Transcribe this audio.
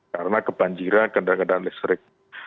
karena kebanjiran kendaraan kendaraan listrik